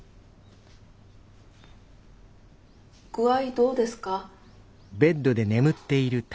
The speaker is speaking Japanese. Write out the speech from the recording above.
具合どうですか？